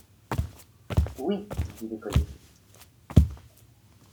Oui, dit l’écolier.